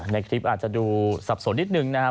ในคลิปอาจจะดูสับสนนิดนึงนะครับ